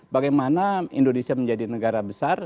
bagaimana indonesia menjadi negara besar